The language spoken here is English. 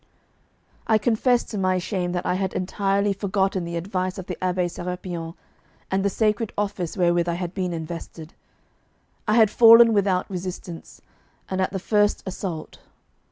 I confess to my shame that I had entirely forgotten the advice of the Abbé Sérapion and the sacred office wherewith I had been invested. I had fallen without resistance, and at the first assault.